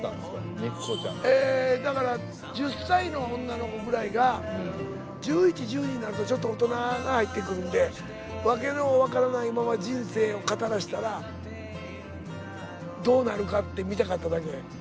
『肉子ちゃん』だから１０歳の女の子ぐらいが１１１２になるとちょっと大人が入ってくるんで訳の分からないまま人生を語らしたらどうなるかって見たかっただけ。